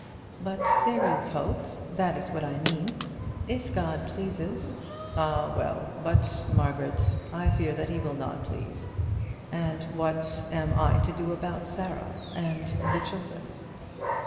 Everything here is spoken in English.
"But there is hope; that is what I mean. If God pleases " "Ah, well. But, Margaret, I fear that he will not please; and what am I to do about Sarah and the children?"